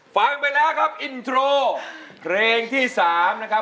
ฟังไปแล้วครับอินโทรเพลงที่๓นะครับ